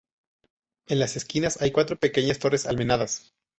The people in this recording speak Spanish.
En las esquinas hay cuatro pequeñas torres almenadas.